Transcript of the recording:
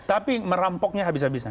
tapi merampoknya habis habisan